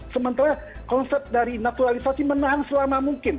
sementara konsep dari naturalisasi menahan selama mungkin